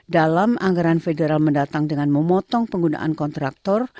dalam anggaran federal mendatang dengan memotong penggunaan kontraktor